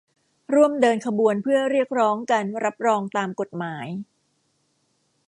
ร่วมเดินขบวนเพื่อเรียกร้องการรับรองตามกฎหมาย